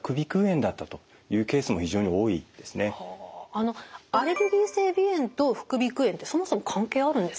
実際アレルギー性鼻炎と副鼻腔炎ってそもそも関係あるんですか？